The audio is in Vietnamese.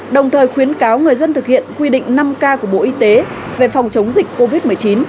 đồng thời khuyến cáo người dân thực hiện quy định năm k của bộ y tế về phòng chống dịch covid một mươi chín